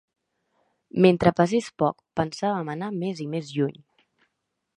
Mentre pesés poc pensàvem anar més i més lluny.